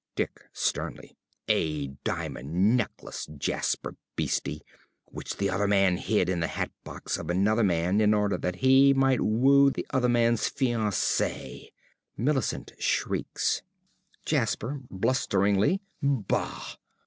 ~Dick~ (sternly). A diamond necklace, Jasper Beeste, which the other man hid in the hatbox of another man in order that he might woo the other man's fiancée! (Millicent shrieks.) ~Jasper~ (blusteringly). Bah!